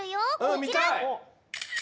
こちら！